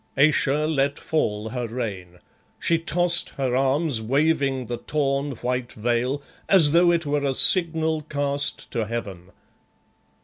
Ayesha let fall her rein. She tossed her arms, waving the torn, white veil as though it were a signal cast to heaven.